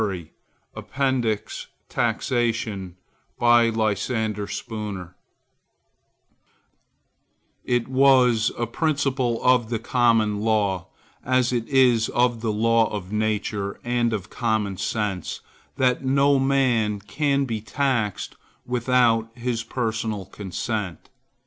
&c. APPENDIX TAXATION It was a principle of the Common Law, as it is of the law of nature, and of common sense, that no man can be taxed without his personal consent.